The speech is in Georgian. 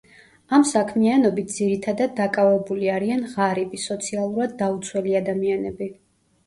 ამ საქმიანობით ძირითადად დაკავებული არიან ღარიბი, სოციალურად დაუცველი ადამიანები.